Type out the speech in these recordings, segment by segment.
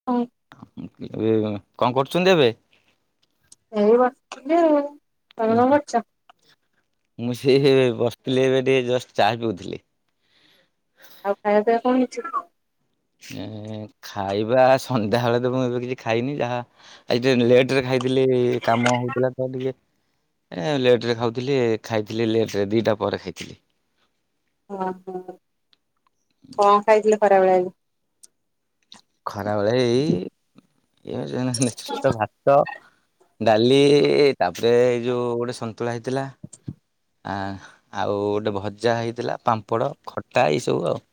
[inaudible] ଏବେ କଣ କରୁଛନ୍ତି ଏବେ? ଏଇ ବସିଥିଲି ଆଉ। ତମେ କଣ କରୁଛ? ମୁଁ ସେଇ ଏବେ ବସିଥିଲି ଏବେ ଟିକେ ଜଷ୍ଟ ଚାହା ପିଉଥିଲି। ଆଉ ଖାଇବା ପିଇବା କଣ ହେଇଛି? ଏଁ ଖାଇବା ସନ୍ଧ୍ୟାବେଳେ ତ ମୁଁ ଏବେ କିଛି ଖାଇନି ଯାହା ଆଜି ଟିକେ ଲେଟ୍ ରେ ଖାଇଥିଲି କାମ ହଉଥିଲା ତ ଟିକେ। ଏ ଲେଟ୍ ରେ ଖାଉଥିଲି। ଖାଇଥିଲି ଲେଟ୍ ରେ ଦିଇଟା ପରେ ଖାଇଥିଲି। ହଁ ହଁ, କଣ ଖାଇଥିଲେ ଖରାବେଳେ ଆଜି? ଖରାବେଳେ ଏଇ [unintelligible] ଭାତ ଡାଲି ତାପରେ ଏଇ ଯୋଉ ଗୋଟେ ସନ୍ତୁଳା ହେଇଥିଲା। ଆ ଆଉ ଗୋଟେ ଭଜା ହେଇଥିଲା, ପାମ୍ପଡ଼, ଖଟା ଏଇସବୁ ଆଉ।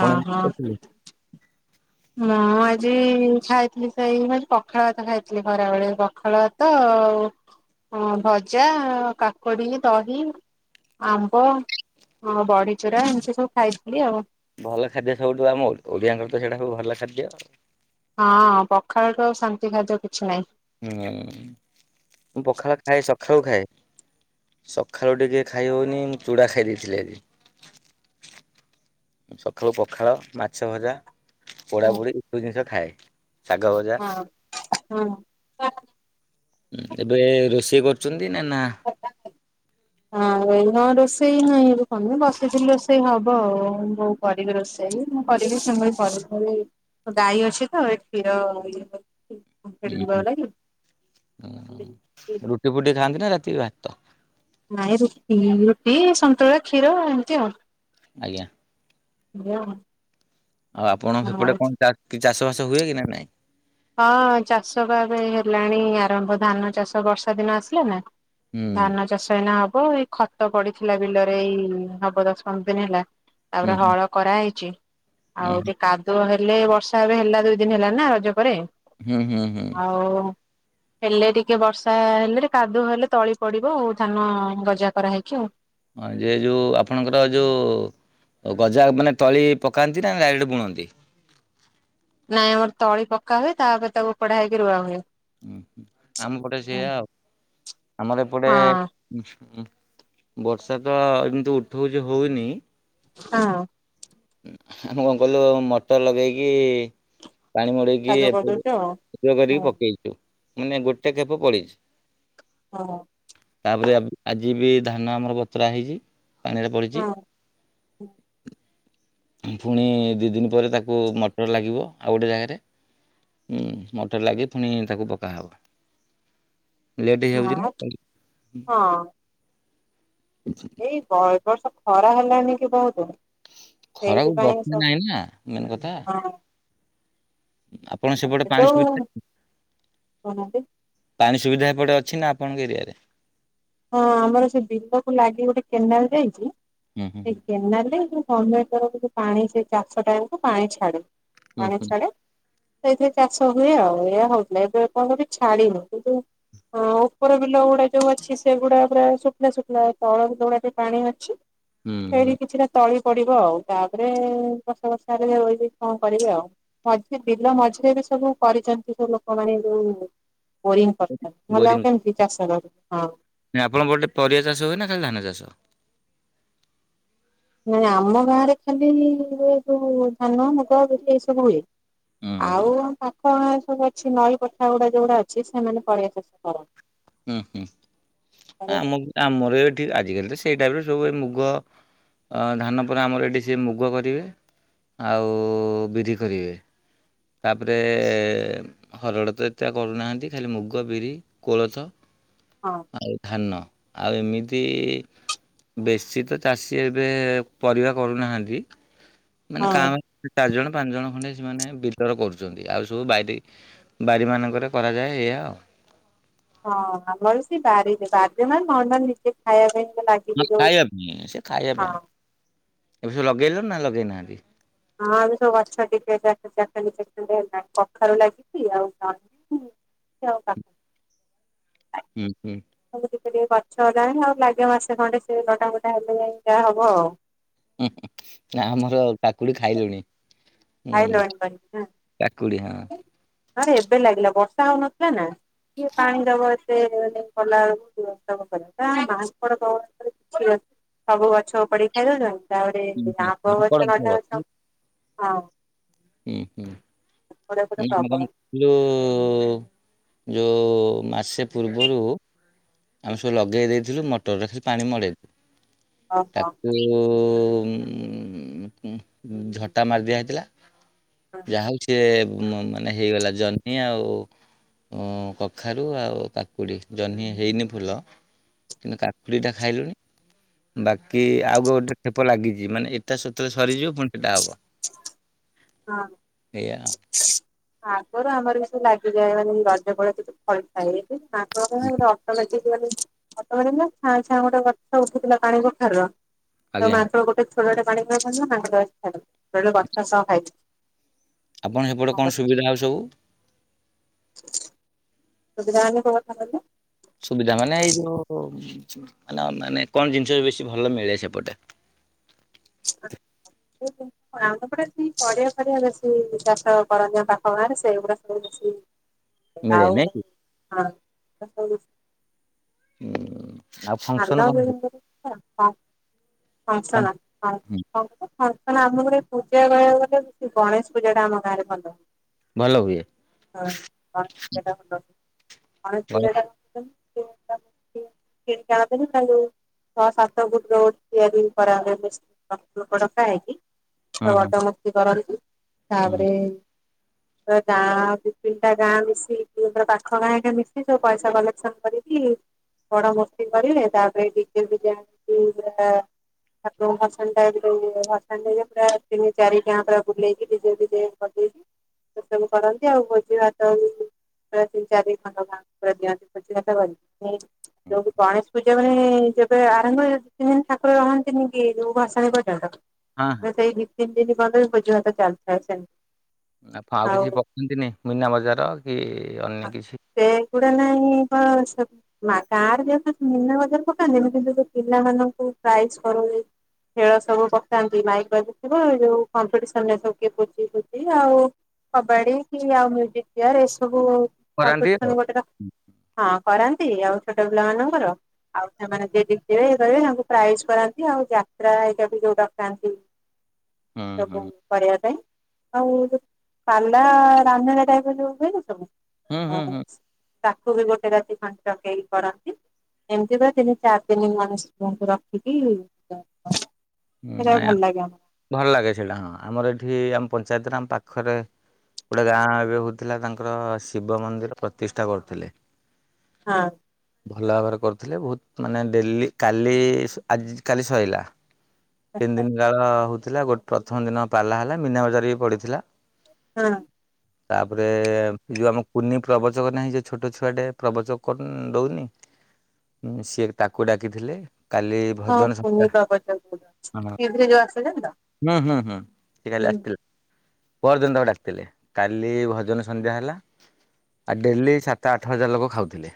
ଓହୋ। ମୁଁ ଆଜି ଖାଇଥିଲି ସେଇ ଆ ପଖାଳ ଭାତ ଖାଇଥିଲି ଖରାବେଳେ। ପଖାଳ ତ, ଭଜା, କାକୁଡି, ଦହି ଆମ୍ବ, ଅ ବଢଚୁରା ଏମିତି ସବୁ ଖାଇଥିଲି ଆଉ। ଭଲ ଖାଦ୍ୟ ସବୁଠୁ ଆମ ଓଡ଼ିଆଙ୍କର ତ ସେଇଟା ସବୁ ଭଲ ଖାଦ୍ୟ। ହଁ, ପଖାଳଠୁ ଆଉ ଶାନ୍ତି ଖାଦ୍ୟ କିଛି ନାହିଁ। ହୁଁ, ମୁଁ ପଖାଳ ଖାଏ ସକାଳୁ ଖାଏ। ସକାଳୁ ଟିକେ ଖାଇହଉନି ମୁଁ ଚୁଡ଼ା ଖାଇ ଦେଇଥିଲି ଆଜି। ସକାଳୁ ପଖାଳ, ମାଛ ଭଜା ପୋଡା ପୋଡ଼ି ଏସବୁ ଜିନିଷ ଖାଏ। ଶାଗ ଭଜା ହଁ ହଁ। ଏବେ ରୋଷେଇ କରୁଛନ୍ତି ନା ନା ଆଉ ଏଇନୁ ରୋଷେଇ ହେଇ କମି ବସିଥିଲି ରୋଷେଇ ହବ ଆଉ କରିବି ରୋଷେଇ ମୁଁ କରିବି ସେ [unintelligible] ଗାଈ ଅଛି ତ ଏ କ୍ଷୀର ହୁଁ ଇଏ [inaudible] ହୁଁ ରୁଟି ଫୁଟି ଖାଆନ୍ତି ନା ରାତିରେ ଭାତ? ନାଇଁ ରୁଟି ରୁଟି ସନ୍ତୁଳା କ୍ଷୀର ଏମିତି ଆଉ। ଆଜ୍ଞା। [inaudible] ଆଉ ଆପଣଙ୍କ ହଉ ସେପଟେ କଣ ଚା କି ଚାଷ ବାସ ହୁଏ କି ନା ନାଇଁ? ହଁ ଚାଷ ବା ଏବେ ହେଲାଣି ଆରମ୍ଭ ଧାନ ଚାଷ ବର୍ଷା ଦିନ ଆସିଲେ ନା। ହୁଁ ଧାନ ଚାଷ ଏଇନା ହବ ଏଇ ଖତ ପଡିଥିଲା ବିଲରେ ଏଇ ହବ ଦଶ ପନ୍ଦର ଦିନ ହେଲା। ହୁଁ ତାପରେ ହଳ କରାହେଇଛି ହୁଁ ଆଉ ଟିକେ କାଦୁଅ ହେଲେ ବର୍ଷା ଏବେ ହେଲା ଦୁଇ ଦିନ ହେଲା ନା ରଜ ପରେ ହୁଁ ହୁଁ ହୁଁ ଆଉ ହେଲେ ଟିକେ ବର୍ଷା ହେଲେ ଟିକ କାଦୁଅ ହେଲେ ତଳି ପଡିବ ଆଉ ଧାନ ଗଜା କରା ହେଇକି ଆଉ। ହଁ ଯେ ଯୋଉ ଆପଣଙ୍କର ଯୋଉ ଆଉ ଗଜା ମାନେ ତଳି ପକାନ୍ତି ନା ଏଇଢୁ ବୁଣନ୍ତି। ନାଇଁ ମୋର ତଳି ପକା ହୁଏ ତାପରେ ତାକୁ ପଢା ହେଇକି ରୁଆ ହୁଏ। ଉଁ ହୁଁ ଆମ ପଟେ ସେଇୟା ଆଉ ଆମର ଏପଟେ ହଁ ବର୍ଷା ତ ଏମିତି ଉଠଉଛି ହଉନି। ହଁ। ଆମେ କଣ କଲୁ ମଟର ଲଗେଇକି। ପାଣି ମଡ଼େଇକି କାଦୁଅ କରିଦଉଚ ଆଉ ଏବେ କରିକି ହଁ ପକେଇଛୁ ମାନେ ଗୋଟେ [unintelligible] କ୍ଷେପ ପଡ଼ିଛି। ହଁ। ତାପରେ ଆଜି ବି ଧାନ ଆମର ବତରା ହେଇଛି ପାଣିରେ ପଡିଚି। ହଁ। ଫୁଣି ଦି ଦିନ ପରେ ତାକୁ ମଟର ଲାଗିବ ଆଉ ଗୋଟେ ଜାଗାରେ। ହୁଁ ମଟର ଲାଗି ଫୁଣି ତାକୁ ପକାହବ। ଲେଟ୍ ହେଇଯାଉଛି ନା ହଁ ହଁ। ଛି। ଏଇ ବ ବର୍ଷ ଖରା ହେଲାଣି କି ବହୁତୁ। ଖରାକୁ ସେଇଥିପାଇଁ ବର୍ଷା ସବୁ ନାହିଁ ନା ମେନ୍ କଥା ହଁ। ଆପଣ ସେପଟେ ପାଣି ଯୋଉ ସୁବିଧା କହୁନାହାନ୍ତି ପାଣି ସୁବିଧା ଏପଟେ ଅଛି ନା ଆପଣଙ୍କ ଏରିଆରେ। ହଁ ଆମର ସେ ବିଲକୁ ଲାଗି ଗୋଟେ କେନାଲ ଯାଇଛି ହୁଁ ହୁଁ ସେ କେନାଲ ରେ ବନ୍ୟା ସମୟରେ ପାଣି ସେ ଚାଷ ଟା ବେଳକୁ ପାଣି ଛାଡେ ହୁଁ ପାଣି ହୁଁ ଛାଡେ। ସେଇଥିରେ ଚାଷ ହୁଏ ଆଉ ଏୟା ହଉଥିଲା ଏବେ ଏପର୍ଯ୍ଯନ୍ତ ବି ଛାଡିନି କିନ୍ତୁ ହଁ ଉପର ବିଲ ଗୁଡା ଯୋଉ ଅଛି ସେଗୁଡା ପୁରା ଶୁଖିଲା ଶୁଖିଲା ତଳ ବିଲ ଗୋଡା କେ ପାଣି ଅଛି ହୁଁ ହୁଁ ହେଇଠି କିଛି ନା ତଳି ପଡିବ ଆଉ ତାପରେ ବର୍ଷ ବର୍ଷାରେ [unintelligible] କଣ କରିବି ଆଉ। ମଝିରେ ବିଲ ମଝିରେ ବି ସବୁ କରିଛନ୍ତି ସବୁ ଲୋକମାନେ ଯୋଉ ବୋରିଂ କଥା ନହେଲେ ଆଉ କେମିତି ଚାଷ କର ହଁ। ନାଁ ଆପଣଙ୍କ ପଟେ ପରିଆ ଚାଷ ହୁଏ ନା ଖାଲି ଧାନ ଚାଷ? ନାଇଁ ଆମ ଗାଁ ରେ ଖାଲି ଏ ଯୋଉ ଧାନ, ମୁଗ, ବିରି ଏ ସବୁ ହୁଏ। ହୁଁ ହୁଁ ଆଉ ପାଖ ଗାଁ ସବୁ ଅଛି ନଈ ପୋଠା ଗୁଡା ଯୋଉଗୁଡା ଅଛି ସେମାନେ ପରିଆ ଚାଷ ହଁ। ହୁଁ ହୁଁ ଆମ ଚାଷ ଆମର ଏଠି ଆଜିକାଲି ତ ସେଇ ଟାଇପ ସବୁ ଏ ମୁଗ। ଅ ଧାନ ପରେ ଆମର ଏଇଠି ସେ ମୁଗ କରିବେ ଆଉ ବିରି କରିବେ। ତାପରେ ହରଡ଼ ତ ଏତେ ଆଉ କରୁନାହାଁନ୍ତି ଖାଲି ମୁଗ ବିରି କୋଳଥ। ହଁ। ଆଉ ଧାନ ଆଉ ଏମିତି ବେଶି ତ ଚାଷୀ ଏବେ ପରିବା କରୁନାହାଁନ୍ତି। ମାନେ ହଁ କାଁ ଚାରି ଜଣ ପାଞ୍ଚ ଜଣ ଖଣ୍ଡେ ସେମାନେ ବିରି [unintelligible] କରୁଛନ୍ତି ଆଉ ସବୁ ବାରି ବାରିମାନଙ୍କରେ କରାଯାଏ ଏଇଆ ଆଉ। ହଁ ଆମରବି ସେ ବାରିରେ ବାରିରେ ମାନେ ମଣ୍ଡା ନିଜେ ଖାଇବା ପାଇଁ ଲାଗ ନା ଖାଇଆ ପାଇଁ ସେ ଖାଇଆ ପାଇଁ ଏବେ ସବୁ ଲଗେଇଲଣି ନା ଲଗେଇ ନାହାଁନ୍ତି? ହଁ ଆମ ସବୁ ଗଛ ଟିକେ ଚାଖେଣ୍ଡେ ଚାଖେଣ୍ଡେ ହେଲାଣି କଖାରୁ ଲାଗିଛି ଆଉ ଜହ୍ନି ଚୋପା। ହୁଁ ହୁଁ। ସବୁ ଟିକେ ଟିକେ ଗଛ ହେଲାଣି ଆଉ ଲାଗିବ ମାସେ ଖଣ୍ଡେ ସେ ଲଟା ମୋଟା ହେଲେ ଯାଇ ଯାହା ହବ ଆଉ। ହୁଁ ହୁଁ ନା ଆମର କାକୁଡି ଖାଇଲୁଣି। ହୁଁ ଖାଇଲନି କରିକି ନା? କାକୁଡି ହଁ। ଆମର ଏବେ ଲାଗିଲା ବର୍ଷା ହଉନଥିଲା ନା? କିଏ ପାଣି ଦବ ଏତେ ମାନେ କଲାବେଳକୁ [unintelligible] ମାଙ୍କଡ଼ ଡର ଖାଲି ଛି ଗଛ ସବୁ ଗଛ ଉପାଡିକି ଖାଇଦଉଛନ୍ତି। ତପରେ ହୁଁ ହୁଁ ଆମ୍ବ ମାଙ୍କଡ ଗଛ ନଡ଼ିଆ କେବଳ। ଗଛ ହଁ। ହୁଁ ହୁଁ ଏପଟେ ଏପଟେ ଏ [unintelligible] ପ୍ରବଳ ଯୋଉ ଯୋଉ ମାସେ ପୂର୍ବରୁ ଆମେ ସବୁ ଲଗେଇ ଦେଇଥିଲୁ ମଟରରେ ଖାଲି ପାଣି ମଡେଇ ଓହୋ ତାକୁ ଯୋଉ ଉଁ ଝଟା ମାରି ଦିଆ ହେଇଥିଲା ହଁ ଯାହା ହଉ ସିଏ ମ ମା ନା ହେଇଗଲା ଜହ୍ନି ଆଉ ଉଁ କଖାରୁ ଆଉ କାକୁଡି ଜହ୍ନି ହେଇନି ଫୁଲ କିନ୍ତୁ କାକୁଡ଼ିଟା ଖାଇଲୁଣି। ବାକି ଆଉ ଗୋଟେ ଖେପ ଲାଗିଛି ମାନେ ଏଟା ସେତେବେଳେ ସରିଯିବ ପୁଣି ସେଟା ହବ। ହଁ ଏଇଆ ଆଉ। ଆଗରୁ ଆମର କେତେ ଲାଗିଯାଏ ମାନେ ରଜ ବଳ କେତେ ଫଳେ। [unintelligible] ଗୋଟେ ଅଟୋ ନେଇକି ଆଜିକାଲି ଖତ ମିଳୁନି ଛାଁ ଛାଁ ଗୋଟେ ଗଛ ଉଠିଥିଲା ପାଣି କଖାରୁ ର ତାକୁ ଆଜ୍ଞା ମାତ୍ର ଗୋ ଥରୋଟେ ପାଣି [unintelligible] ଗଛ ସହ ଖଇଛି। ଆପଣଙ୍କ ହେପଟେ କଣ ସୁବିଧା ଆଉ ସବୁ? [inaudible] ସୁବିଧା ମାନେ କଉ କଥା କହିଲେ? ସୁବିଧା ମାନେ ଏଇ ଯୋଉ ମାନେ ମାନେ କଣ ଜିନିଷ ବେଶୀ ଭଲ ମିଳେ ସେପଟେ? [unintelligible] ଆମ ଏପଟେ ଏମିତି ପରିଆ ଫରିଆ ବେଶୀ ଚାଷ କରନ୍ତି ଆମ ପାଖ ଗାଁରେ ସେଗୁଡା ସବୁ ବେଶୀ [inaudible] ଆଉ ନାଇଁ କି ହଁ [unintelligible] ହୁଁ। ଆଉ [unintelligible] ଫଙ୍କସନ କାରଣ କଣ ଆମ ଗୋଟେ ହୁଏ? ହୁଁ ପୂଜା କରିବାକୁଗଲେବି ବେସି ଗଣେଶ ପୂଜା ଟା ଆମ ଗାଁରେ ଭଲ ହୁଏ। ଭଲ ହୁଏ। ହଁ ଗଣେ [inaudible] କିଏ ଚାପେନା ତାଙ୍କୁ ଛଅ ସାତ ଫୁଟ୍ ରୋ ଗୋଟେ ତିଆରି କରାଗଲା [inaudible] ଲୋକ ଡକା ହେଇକି। ହୁଁ ତ ହୁଁ ମଜା ମସ୍ତି କରନ୍ତି ତାପରେ ହଁ ତ ଗାଁ ଦି ତିନଟା ଗାଁ ମିଶି କୁଲ୍ ର ପାଖ ଗାଁ ହେକା ମିଶି ସବୁ ପଇସା କଲେକ୍ସନ କରିକି ବଡ଼ ମୂର୍ତ୍ତି କରିବେ ତାପରେ ଡି ଜେ ଫିଜେ ଆଣିକି ପୁରା ଠାକୁରଙ୍କୁ ଭସାଣିଟା ଯେତୋଳୁ ଭସାଣି ହେଇଆ ପୁରା ତିନି ଚାରି ଗାଁ ପୁରା ବୁଲେଇକି ଡି ଜେ ଫି ଜେ ବଜେଇକି ସେ ସବୁ କରନ୍ତି ଆଉ ଭୋଜି ଭାତ ବି ପୁରା ତିନି ଚାରି ପାଞ୍ଚ ଗାଁକୁ ପୁରା ଦାଅନ୍ତି ଭୋଜି ଭାତ କରି ହିଁ ହୁଁ। ଯୋଉ ଯୋଉ ମାନେ ଯେବେ ଆରମ୍ଭ ହିଏ ଦି ତିନି ଦିନ ଠାକୁର ରହନ୍ତିନି କି ଯୋଉ ଭସାଣୀ ପର୍ଯ୍ୟନ୍ତ ହଁ ହଁ ତ ସେଇ ଦି ତିନ ଦିନ ପନ୍ତ ଭୋଜି ଭାତ ଚାଲଥାଏ ସେମ୍ ନେଫ ଆଉ କିଛି ପକୁଅନ୍ତିନି ମୀନା ବଜାର କି ଅନ୍ୟ କିଛି? ସେଗୁଡ଼ା ନାହିଁ ପା ସବୁ ମା ଗାଁରେ ଯୋଉ ସେ ମୀନା ବଜାର ପକାନ୍ତିନି କିନ୍ତୁ ସେ ପିଲାମାନଙ୍କୁ ପ୍ରାଇଜ୍ କରନ୍ତି। ଖେଳ ସବୁ ପକାନ୍ତି ମାଇକ୍ ବାଜୁଥୁବ ଏ ଯୋଉ କମ୍ପିଟିସନ୍ ରେ ସବୁ କିଏ କିଏ ଥିଏ ସେଟି ଆଉ କବାଡ଼ି କି ଆଉ ମ୍ୟୁଜିକ୍ ଚେୟାର ଏସବୁ କରାନ୍ତି ଆଉ। କମ୍ପିଟିସନ୍ ଗୋଟେ ର ହଁ କରନ୍ତି ଆଉ ଛୋଟ ପିଲାମାନଙ୍କର। ଆଉ ସେମାନେ ଯିଏ ଜିତିବେ ଇଏ କରିବେ ତାଙ୍କୁ ପ୍ରାଇଜ୍ କରାନ୍ତି ଆଉ ଯାତ୍ରା ହେଇକା ବି ଯୋଉ ଡକାନ୍ତି। [inaudible] ହୁଁ ତବୁ। କରିବା ପାଇଁ। ଆଉ ଯେ ପାଲା ରାମାୟଣ ଟାଇପ୍ ର ଯୋଉ ହୁଏନି ସବୁ? ହୁଁ ହୁଁ ହଁ ହୁଁ ତାକୁ ବି ଗୋଟେ ରାତି ପାଞ୍ଚକେଇ କରନ୍ତି। ଏମିତି ଦେ ତିନି ଚାର ଦିନ ମାନେ ଶିବଙ୍କୁ ରଖିକି। [inaudible] ହୁଁ ସେଟା ଆଇଆଁ ଭଲ ଲାଗେ ଆମର। ଭଲ ଲାଗେ ସେଇଟା ହଁ ଆମର ଏଠି ଆମ ପଞ୍ଚାୟତରେ ଆମ ପାଖରେ ଗୋଟେ ଗାଁ ଏବେ ହଉଥୁଲା ତାଙ୍କର ଶିବ ମନ୍ଦିର ପ୍ରତିଷ୍ଠା କରଥୁଲେ। ହଁ। ଭଲ ଭାବରେ କରୁଥୁଲେ ବହୁତ ମାନେ ଡେଲି କାଲି ସ ଆଜି କାଲି ସଇଲା। ତିନି ଦିନ କାଳ ହଉଥିଲା। ଗୋ ପ୍ରଥମ ଦିନ ପାଲା ହେଲା ମିନା ବଜାର ବି ପଡ଼ିଥିଲା। ହଁ। ତାପରେ ଯୋଉ ଆମ କୁନି ପ୍ରବଚକ ନାହିଁ ଯେ ଛୋଟ ଛୁଆଟେ ପ୍ରବଚକ କର ଦଉନି? ଉଁ ସିଏ ତାକୁ ଡାକିଥିଲେ। କାଲି ହଁ ଭଜନ କୁନି ସଂସ୍ଥା ପ୍ରବଚକ ଗୋଟେ ଅଛି। ଟି ଭି ରେ ଯୋଉ ଆସୁଚନ୍ତି ତ? ଉଁ ହୁଁ ହୁଁ ସେ କାଲି ଆସିଥିଲା। ପହରଦିନ ତାକୁ ଡାକିଥିଲେ। କାଲି ଭଜନ ସନ୍ଧ୍ୟା ହେଲା। ଆଉ ଡେଲି ସାତ ଆଠ ହଜାର ଲୋକ ଖାଉଥିଲେ।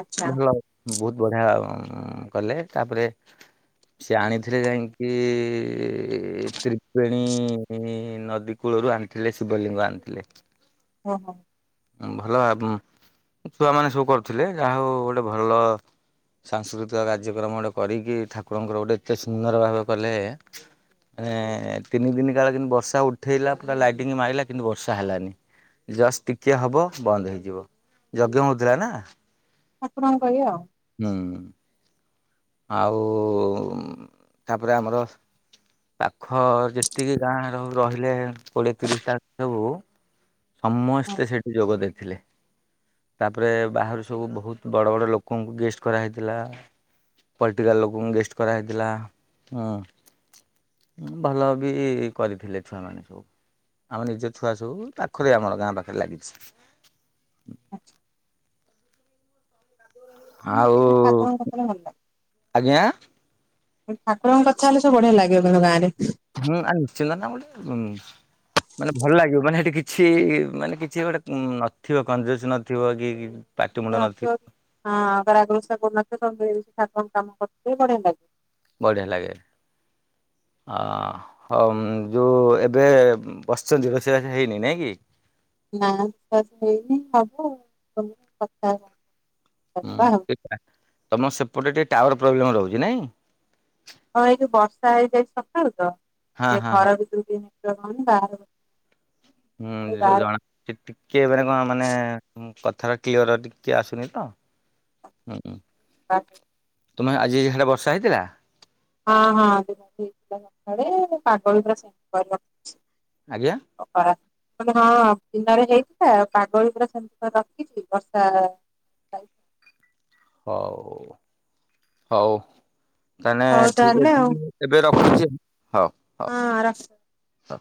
ଆଚ୍ଛା ଭଲ ବୋହୁତ ବଢ଼ିଆ କଲେ ତାପରେ ସିଏ ଆଣିଥିଲେ ଯାଇଁକି ସେ ତ୍ରିପେଣୀ ନଦୀ କୂଳରୁ ଆଣିଥିଲେ ଶିବଲିଙ୍ଗ ଆଣିଥିଲେ। ହଁ ହଁ। ଭଲ ଆମ୍ ହେ ଛୁଆମାନେ ସବୁ କରୁଥୁଲେ ଯାହା ହଉ ଗୋଟେ ଭଲ ସାଂସ୍କୃତିକ କାର୍ଯ୍ୟକ୍ରମ ଗୋଟେ କରିକି ଠାକୁରଙ୍କର ଗୋଟେ ଏତେ ସୁନ୍ଦର ଭାବେ କଲେ। ଏଁ ତିନି ଦିନ କାଳ କିନ୍ତୁ ବର୍ଷା ଉଠେଇଲା ପୁରା ଲାଇଟିଙ୍ଗ ମାଇଲା କିନ୍ତୁ ବର୍ଷା ହେଲାନି। ଜଷ୍ଟ ଟିକିଏ ହବ ବନ୍ଦ ହେଇଯିବ। ଯଜ୍ଞ ହଉଥିଲା ନା। ଠାକୁରଙ୍କ ଇଏ ଆଉ। ହୁଁ ଆଉମ ତାପରେ ଆମର। ପାଖ ଯେତିକି ଗାଁ ର ରହିଲେ କୋଡିଏ, ତିରିଶ ଟା ସବୁ। ହଁ ସମସ୍ତେ ସେଠି ଯୋଗ ଦେଇଥିଲେ। ତାପରେ ବାହାରୁ ସବୁ ବହୁତ ବଡ ବଡ ଲୋ କଙ୍କୁ ଗେଷ୍ଟ କରାହେଇଥିଲା। ପଲ୍ଟିକାଲ ଲୋକଙ୍କୁ ଗେଷ୍ଟ କରାହେଇଥିଲା। ହୁଁ। ଉଁ ଭଲ ବି କରିଥିଲେ ଛୁଆମାନେ ସବୁ। ଆମ ନିଜ ଛୁଆ ସବୁ ପାଖରେ ଆମର ଗାଁ ପାଖରେ ଲାଗିଛି। ଆଚ୍ଛା। ଆଉ [unintelligible] ଠାକୁରଙ୍କ କଥାରେ ଭଲ ଲାଗେ। ଆଜ୍ଞା ଠାକୁରଙ୍କ କଥା ହେଲେ ସବୁ ବଢିଆ ଲାଗିବ କିନ୍ତୁ ଗାଁ ରେ। ହୁଁ ଆ ନିଶ୍ଚିତ ନା [unintelligible] ହୁଁ। ମାନେ ଭଲ ଲାଗିବ ମାନେ ସେଠି କିଛି ମାନେ କିଛି ଗୋଟେ ଉଁ ନଥିବ କଜୁଂଶ ନଥିବ କି। [unintelligible] ପାଟିମୁଣ୍ଡ ହଁ ନଥିବ [unintelligible] ଆଗରୁ [unintelligible] ଠାକୁରଙ୍କ କାମ [unintelligible] ବଢିଆ ଲା ବଢ଼ିଆ ଲାଗେ ଅଁ। ହଉ ଉମ ଯୋଉ ଏବେ ବସିଛନ୍ତି। ରୋଷେଇ ବାସ ହେଇନି ନାଇଁ କି? ନା [unintelligible] ହେଇନି ହବ [unintelligible] ତମର ସେପଟେ ଟିକେ ଟାୱାର ପ୍ରୋବ୍ଲେମ୍ ରହୁଛି ନାଇଁ। ହଁ ଏଇ ଯୋଉ ବର୍ଷା ହେଇଯାଇଛି ସକାଳୁ ତ। ହଁ ସେ ହଁ ହଁ ଘର ଭିତରୁକୁ ଟିକେ ନେଟୱାର୍କ ପାଉନି ବାହା ହୁଁ ଯେ ସେ ଜଣା ସେ ଟିକେ ମାନେ କଣ ମାନେ ଉଁ କଥାଟା କ୍ଲିଅର ଟିକେ ଆସୁନି ତ। ହୁଁ। [unintelligible] ତୁମେ ଆଜି ସିଆଡେ ବର୍ଷା ହେଇଥିଲା? ହଁ ହଁ [inaudible] ସକାଳେ ପାଗ ବି ପୁରା ସେମିତି କରି ରଖିଛି। ଆଜ୍ଞା। ଅ ଖରା [unintelligible] ହଁ ଦିନରେ ହେଇଥିଲା ପାଗ ବି ପୁରା ସେମିତି ରଖିଛି ବର୍ଷା। ହଉ ହଉ। ତାନେ ହଉ ଠିକ ତାହେଲେ ଆଉ ଅଛି। ଏବେ ରଖୁଛି ହଉ ହଉ। ହଁ ରଖ ହଉ।